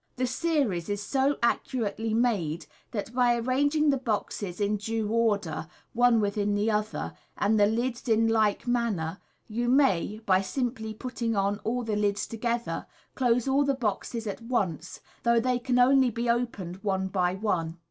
The series is go accurately made, that by arranging the boxes in due order one within the other, and the lids in like manner, you may, by simply putting on all the lids together, close all the boxes at once, though they can only be opened one by one.